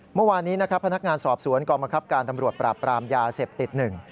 เมื่อวานนี้นะครับพนักงานสอบสวนกองบังคับการตำรวจปราบปรามยาเสพติดหนึ่ง